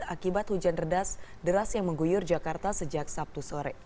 akibat hujan deras deras yang mengguyur jakarta sejak sabtu sore